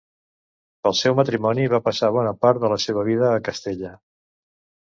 Pel seu matrimoni va passar bona part de la seva vida a Castella.